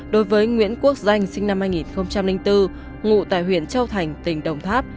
đối với nguyễn quốc danh sinh năm hai nghìn bốn ngụ tại huyện châu thành tỉnh đồng tháp